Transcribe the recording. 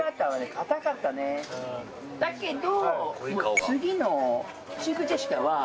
だけど。